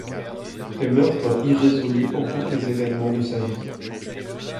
Des meurtres irrésolus entourent les événements de sa vie.